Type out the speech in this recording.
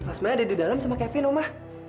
asma ada di dalam sama kevin umar